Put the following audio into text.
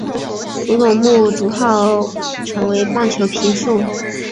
佐佐木主浩成为棒球评述。